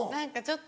ちょっと！